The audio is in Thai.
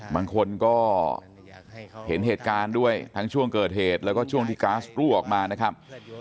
บางคนก็เห็นเหตุการณ์ด้วยทั้งช่วงเกิดเหตุแล้วก็ช่วงที่ก๊าซรั่วออกมานะครับ